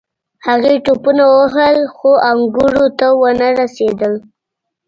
هغې ټوپونه ووهل خو انګورو ته ونه رسیده.